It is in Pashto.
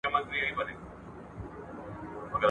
که فشار کم شي، اشتها ښه کېږي.